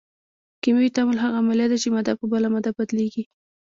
کیمیاوي تعامل هغه عملیه ده چې ماده په بله ماده بدلیږي.